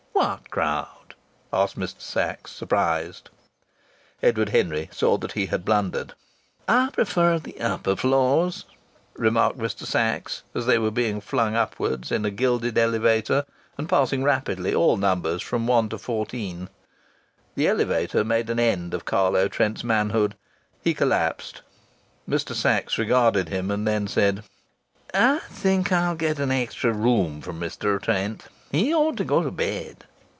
"What crowd?" asked Mr. Sachs, surprised. Edward Henry saw that he had blundered. "I prefer the upper floors," remarked Mr. Sachs as they were being flung upwards in a gilded elevator, and passing rapidly all numbers from 1 to 14. The elevator made an end of Carlo Trent's manhood. He collapsed. Mr. Sachs regarded him, and then said: "I think I'll get an extra room for Mr. Trent. He ought to go to bed."